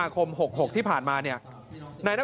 กายุ่ง